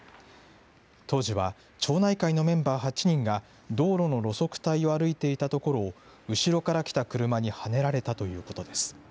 当時は町内会のメンバー８人が、道路の路側帯を歩いていたところを、後ろから来た車にはねられたということです。